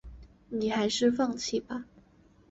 你还是放弃吧